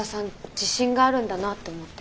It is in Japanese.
自信があるんだなぁと思って。